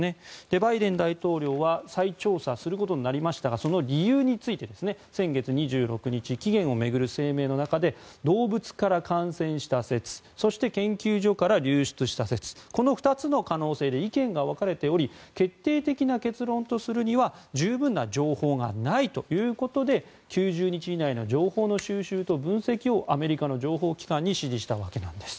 バイデン大統領は再調査することになりましたがその理由について先月２６日起源を巡る声明の中で動物から感染した説そして、研究所から流出した説この２つの可能性で意見が分かれており決定的な結論とするには十分な情報がないということで９０日以内の情報の収集と分析をアメリカの情報機関に指示したわけなんです。